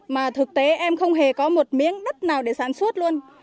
mà thực tế em không hề có một miếng đất nào để sản xuất luôn